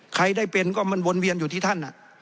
ใครได้เป็นก็มันวนเวียนอยู่ที่ท่าน